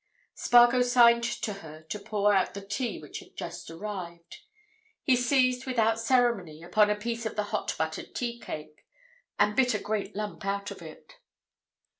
Spargo signed to her to pour out the tea which had just arrived. He seized, without ceremony, upon a piece of the hot buttered tea cake, and bit a great lump out of it.